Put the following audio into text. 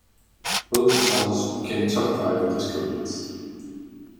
Both songs became top five disco hits.